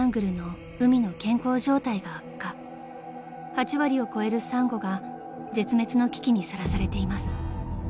［８割を超えるサンゴが絶滅の危機にさらされています］